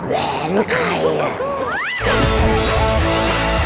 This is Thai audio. ว้าวมันไกล